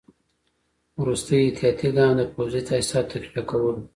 وروستی احتیاطي ګام د پوځي تاسیساتو تقویه کول وو.